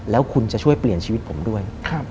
แล้วคุณจะช่วยเปลี่ยนชีวิตผมด้วย